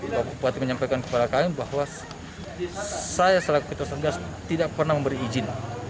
bapak bupati menyampaikan kepada kami bahwa saya selaku ketua satgas tidak pernah memberi izin